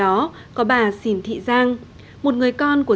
trong hành trình tham phá những niềm đất cổ xưa